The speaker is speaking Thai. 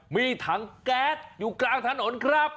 มีถังแก๊สอยู่กลางถนนครับ